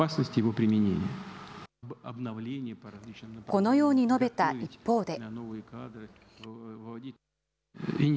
このように述べた一方で。